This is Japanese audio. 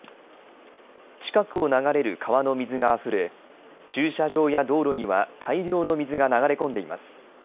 近くを流れる川の水があふれ駐車場や道路には大量の水が流れ込んでいます。